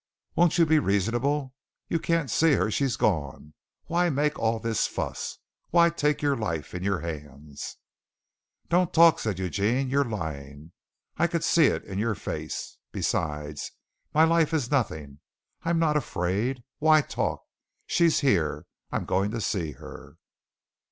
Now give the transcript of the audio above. Won't you be reasonable? You can't see her. She's gone. Why make all this fuss? Why take your life in your hands?" "Don't talk," said Eugene. "You're lying. I can see it in your face. Besides, my life is nothing. I am not afraid. Why talk? She's here. I'm going to see her."